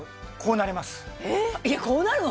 えっこうなるの？